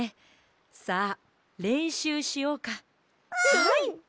はい！